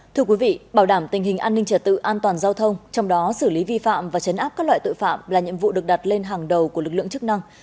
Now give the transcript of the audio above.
thưa quý vị bảo đảm tình hình an ninh trật tự an toàn giao thông trong đó xử lý vi phạm và chấn áp các loại tội phạm là nhiệm vụ được đặt lên hàng đầu của lực lượng chức năng